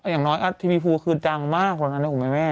อย่างน้อยอัดทีวีภูคือดังมากกว่านั้นนะคุณแม่